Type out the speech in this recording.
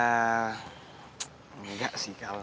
enggak sih kal